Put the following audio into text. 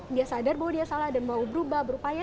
dia sadar bahwa dia salah dan mau berubah berupaya